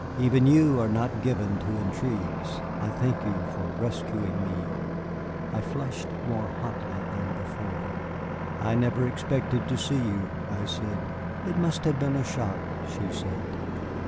"Even you are not given to intrigues. I thank you for rescuing me." I flushed more hotly than before. "I never expected to see you," I said. "It must have been a shock," she said.